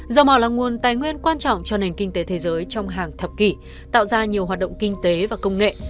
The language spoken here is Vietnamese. dầu mò là nguồn tài nguyên quan trọng cho nền kinh tế thế giới trong hàng thập kỷ tạo ra nhiều hoạt động kinh tế và công nghệ